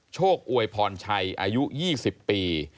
โชคอวยพรชัยอายุ๒๐ปี